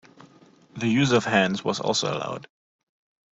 The use of hands was also allowed.